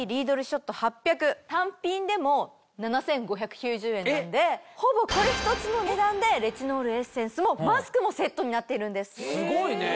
単品でも７５９０円なんでほぼこれ一つの値段でレチノールエッセンスもマスクもセットになっているんです。